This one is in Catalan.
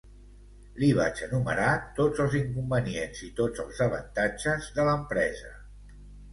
Li vaig enumerar tots els inconvenients i tots els avantatges de l'empresa.